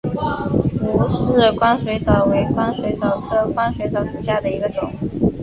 吴氏光水蚤为光水蚤科光水蚤属下的一个种。